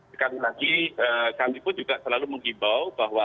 sekali lagi kami pun juga selalu menghimbau bahwa